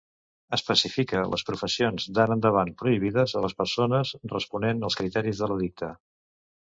Especifica les professions d'ara endavant prohibides a les persones responent als criteris de l'edicte.